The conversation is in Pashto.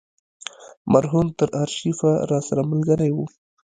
مرهون تر آرشیفه راسره ملګری و.